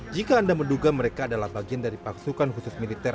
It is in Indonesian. jika anda menduga mereka adalah bagian dari pasukan khusus militer